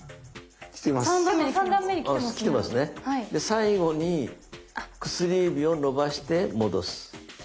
最後に薬指を伸ばして戻す。